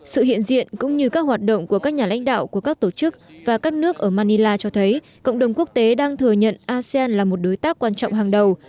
sự hiện diện cũng như các hoạt động của các nhà lãnh đạo của các tổ chức và các nước ở manila cho thấy cộng đồng quốc tế đang thừa nhận asean là một đối tác quan trọng hàng đầu